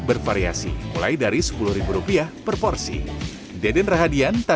sampai jumpa di video selanjutnya